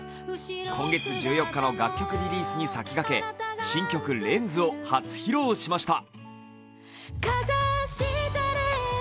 今月１４日の楽曲リリースに先駆け新曲「レンズ」を初披露しました。